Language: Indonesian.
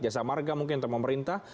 jasa marga mungkin termo merintah